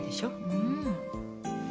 うん。